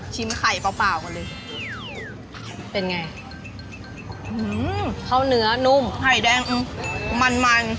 ชิมไข่เปล่าก่อนเลยเป็นไงเฮ้าเนื้อนุ่มไข่แดงอืมมัน